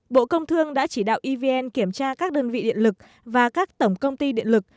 bộ công thương đã chỉ đạo evn kiểm tra các đơn vị điện lực và các tổng công ty điện lực